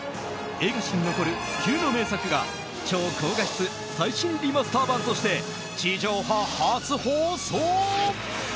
映画史に残る不朽の名作が超高画質最新リマスター版として地上波初放送。